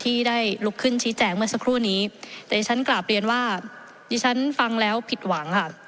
ที่ได้ลุกขึ้นชี้แจงเมื่อสักครู่นี้แต่ที่ฉันกราบเรียนว่าดิฉันฟังแล้วผิดหวังค่ะ